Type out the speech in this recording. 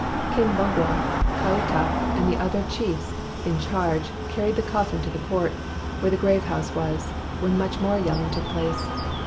"Kimbugwa, Kauta, and the other chiefs 187 WHITE MAN OF WORK in charge, carried the coffin to the court, where the grave house was, when much more yelling took place.